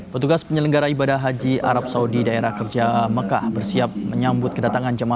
petugas penyelenggara ibadah haji arab saudi daerah kerja mekah bersiap menyambut kedatangan jemaah